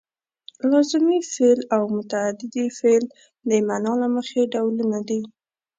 لازمي فعل او متعدي فعل د معنا له مخې ډولونه دي.